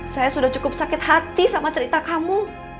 saya sudah cukup sakit hati sama cerita kamu